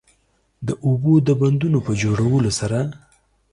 د اوبو د بندونو په جوړولو سره